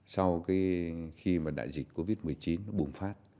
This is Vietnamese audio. sau khi mà đại dịch covid một mươi chín nó bùng phát